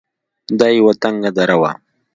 دا يوه تنگه دره وه.